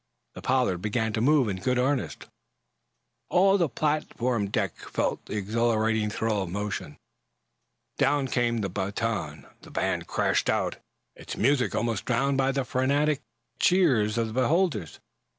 The "Pollard" began to move in good earnest. All on the platform deck felt the exhilarating thrill of motion. Down came the baton, the band crashed out, its music almost drowned by the frantic cheers of the beholders.